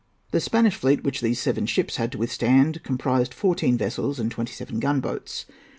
The Spanish fleet, which these seven ships had to withstand, comprised fourteen vessels and twenty seven gunboats.